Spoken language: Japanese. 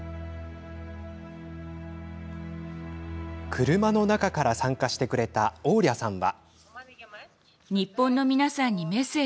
車の中から参加してくれたオーリャさんは。